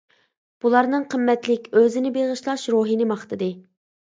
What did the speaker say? بۇلارنىڭ قىممەتلىك ئۆزىنى بېغىشلاش روھىنى ماختىدى.